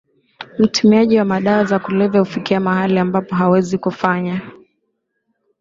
Mtumiaji wa madawa ya kulevya hufikia mahali ambapo hawezi kufanya